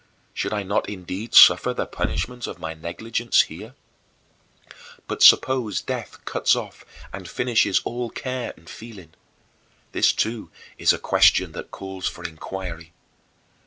Should I not indeed suffer the punishment of my negligence here? But suppose death cuts off and finishes all care and feeling. This too is a question that calls for inquiry.